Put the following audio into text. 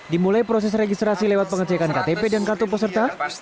dimulai proses registrasi lewat pengecekan ktp dan kartu peserta